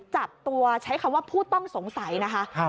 จับตัวใช้คำว่าผู้ต้องสงสัยนะคะ